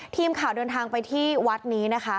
ทีมข่าวเดินทางไปที่วัดนี้นะคะ